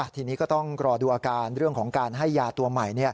ทีนี้ก็ต้องรอดูอาการเรื่องของการให้ยาตัวใหม่